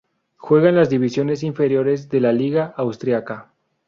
Juega en las divisiones inferiores de la liga austríaca.